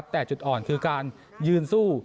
แต่จุดอ่อนคือการยืนสู้